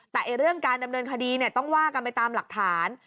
แต่เรื่องการดำเนินคดีต้องว่ากันไปตามหลักฐาน